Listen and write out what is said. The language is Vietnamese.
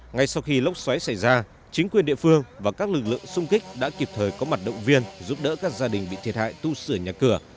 ngay sau khi lốc xoáy xảy ra chính quyền địa phương và các lực lượng xung kích đã kịp thời có mặt động viên giúp đỡ các gia đình bị thiệt hại tu sửa nhà cửa